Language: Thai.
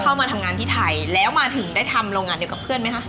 เข้ามาทำงานที่ไทยแล้วมาถึงได้ทำโรงงานเดียวกับเพื่อนไหมคะ